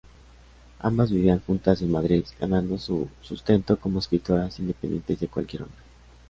Ambas vivían juntas en Madrid, ganando su sustento como escritoras, independientes de cualquier hombre.